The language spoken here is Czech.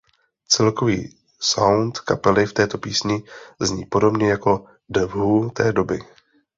Celkový sound kapely v této písni zní podobně jako The Who té doby.